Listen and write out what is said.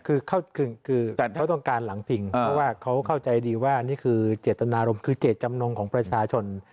คือเขาต้องการหลังพิงเพราะว่าเขาเข้าใจดีว่านี่คือเจตนารมณ์คือเจตจำนงของประชาชน